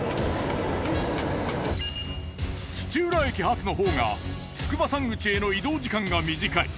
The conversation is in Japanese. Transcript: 土浦駅発のほうが筑波山口への移動時間が短い。